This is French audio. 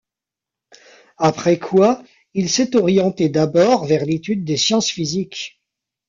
Après quoi, il s'est orienté d'abord vers l'étude des sciences physiques.